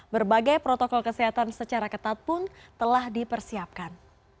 berbagai protokol kesehatan secara ketat pun telah dipersiapkan